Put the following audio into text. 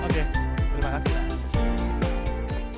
oke terima kasih